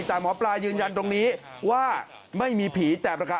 แต่หมอปลายืนยันตรงนี้ว่าไม่มีผีแต่ประการ